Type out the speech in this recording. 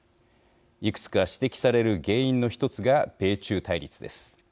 いくつか指摘される原因の１つが米中対立です。